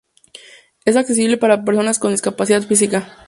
Es accesible para personas con discapacidad física.